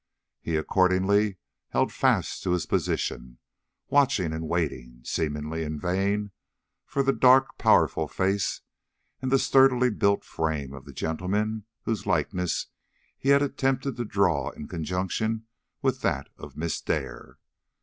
He accordingly held fast to his position, watching and waiting, seemingly in vain, for the dark, powerful face and the sturdily built frame of the gentleman whose likeness he had attempted to draw in conjunction with that of Miss Dare.